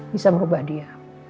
bisa berubah dia